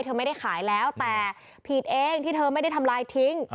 เธอไม่ได้ขายแล้วแต่ผิดเองที่เธอไม่ได้ทำลายทิ้ง